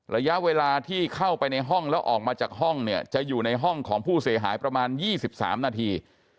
ระยะเวลาที่เข้าไปในห้องแล้วออกมาจากห้องเนี่ยจะอยู่ในห้องของผู้เสียหายประมาณ๒๓นาที